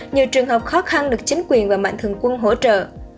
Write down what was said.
nhiều trường hợp khó khăn được chính quyền và mạnh thường quân hỗ trợ